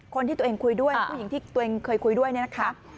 คนที่ตัวเองคุยด้วยผู้หญิงที่ตัวเองเคยคุยด้วยเนี่ยนะคะ